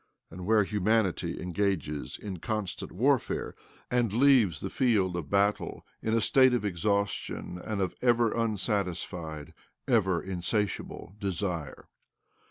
278 OBLOMOV and where humanity engages in constant warfare, and leaves the field of battle in a state of exhaustion and of ever unsatis fied, ever insatiable desire.